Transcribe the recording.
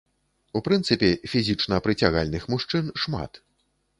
У прынцыпе, фізічна прыцягальных мужчын шмат.